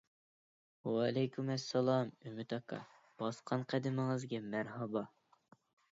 ۋەئەلەيكۇم ئەسسالام ئۈمىد ئاكا، باسقان قەدىمىڭىزگە مەرھابا!